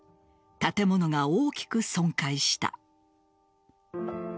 建物が大きく損壊した。